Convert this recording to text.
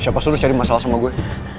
siapa sudut cari masalah sama gue